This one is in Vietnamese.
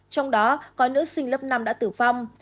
trong đó có nữ sinh lớp năm đã tử vong